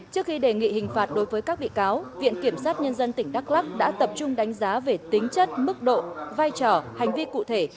trước khi đề nghị hình phạt đối với các bị cáo viện kiểm sát nhân dân tỉnh đắk lắc đã tập trung đánh giá về tính chất mức độ vai trò hành vi cụ thể